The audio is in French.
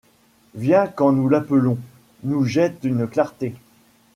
Vient quand nous l'appelons, nous jette une clarté